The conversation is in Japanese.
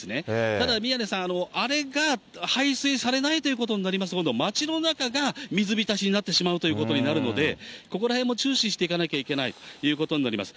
ただ、宮根さん、あれが排水されないということになりますと、今度は町の中が水浸しになってしまうということになるので、ここらへんも注視していかなきゃいけないということになります。